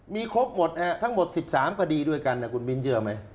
มีครบหมดทั้งหมด๑๓คดีด้วยกันนะคุณมิ้นเชื่อไหม